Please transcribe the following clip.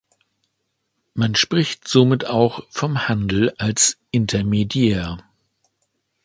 Man spricht somit auch vom Handel als Intermediär.